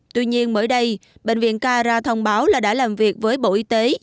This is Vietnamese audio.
tuy nhiên mới đây bệnh viện k ra thông báo là đã làm việc với bộ y tế